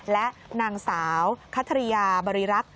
และนางสาวคัทริยาบริรักษ์